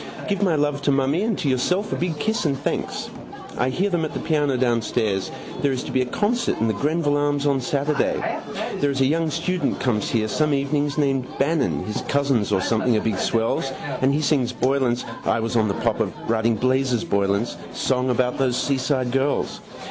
Give my love to mummy and to yourself a big kiss and thanks. I hear them at the piano downstairs. There is to be a concert in the Greville Arms on Saturday. There is a young student comes here some evenings named Bannon his cousins or something are big swells and he sings Boylan's (I was on the pop of writing Blazes Boylan's) song about those seaside girls.